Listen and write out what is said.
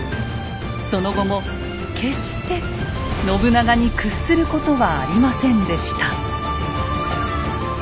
その後も決して信長に屈することはありませんでした。